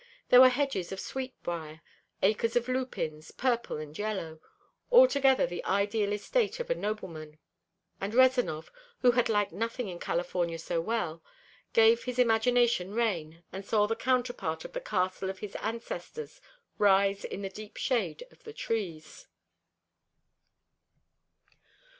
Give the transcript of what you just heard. There were hedges of sweet briar, acres of lupins, purple and yellow. Altogether the ideal estate of a nobleman; and Rezanov, who had liked nothing in California so well, gave his imagination rein and saw the counterpart of the castle of his ancestors rise in the deep shade of the trees.